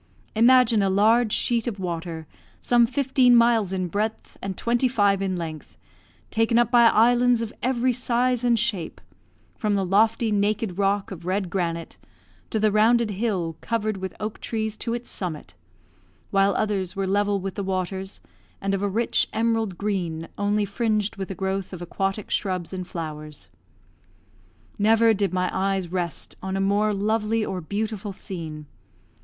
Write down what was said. Imagine a large sheet of water, some fifteen miles in breadth and twenty five in length, taken up by islands of every size and shape, from the lofty naked rock of red granite to the rounded hill, covered with oak trees to its summit; while others were level with the waters, and of a rich emerald green, only fringed with a growth of aquatic shrubs and flowers. Never did my eyes rest on a more lovely or beautiful scene.